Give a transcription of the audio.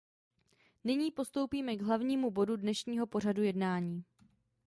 Nyní postoupíme k hlavnímu bodu dnešního pořadu jednání.